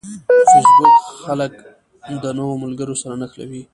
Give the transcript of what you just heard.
فېسبوک خلک د نوو ملګرو سره نښلوي